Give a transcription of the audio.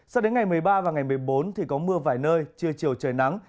sao đến ngày một mươi ba và ngày một mươi bốn thì có mưa vài nơi trưa chiều trời nắng